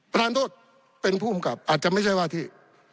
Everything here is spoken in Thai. ประธานโทษเป็นผู้อำกับอาจจะไม่ใช่ว่าที่